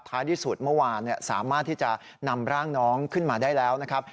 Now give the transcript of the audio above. ที่สุดเมื่อวานสามารถที่จะนำร่างน้องขึ้นมาได้แล้วนะครับ